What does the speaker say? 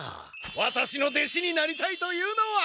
ワタシの弟子になりたいというのは。